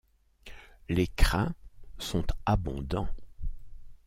Les crins sont abondants.